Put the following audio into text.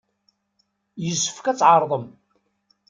Yessefk ad tɛerḍem!